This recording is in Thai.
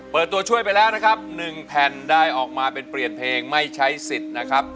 ตัวช่วยไปแล้วนะครับ๑แผ่นได้ออกมาเป็นเปลี่ยนเพลงไม่ใช้สิทธิ์นะครับ